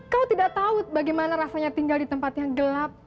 kau tidak tahu bagaimana rasanya tinggal di tempat yang gelap